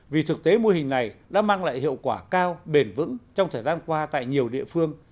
vì thực tế mô hình này đã mang lại hiệu quả cao bền vững trong thời gian qua tại nhiều địa phương